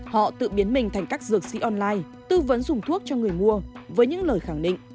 họ tự biến mình thành các dược sĩ online tư vấn dùng thuốc cho người mua với những lời khẳng định